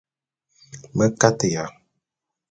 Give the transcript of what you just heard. Me kateya.